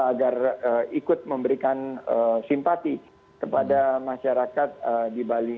agar ikut memberikan simpati kepada masyarakat di bali